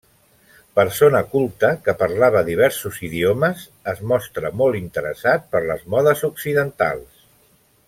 Persona culta que parlava diversos idiomes, es mostra molt interessat per les modes occidentals.